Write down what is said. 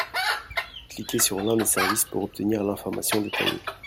Cliquez sur l'un des services pour obtenir l'information détaillée.